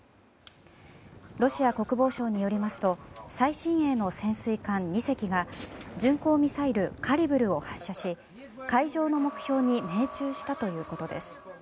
ロシア国防省によりますと最新鋭の潜水艦２隻が巡航ミサイル、カリブルを発射し海上の目標に命中したということです。